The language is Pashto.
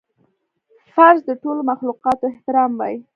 فرض د ټولو مخلوقاتو احترام وای